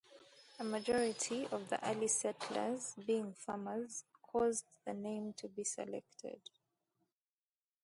A majority of the early settlers being farmers caused the name to be selected.